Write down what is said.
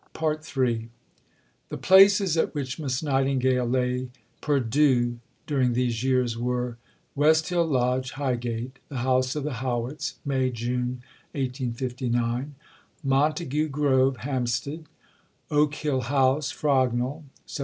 III The places at which Miss Nightingale lay perdue during these years were West Hill Lodge, Highgate the house of the Howitts (May June 1859); Montague Grove, Hampstead; Oak Hill House, Frognal (Sept.